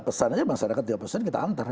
pesan aja masyarakat dia pesan kita antar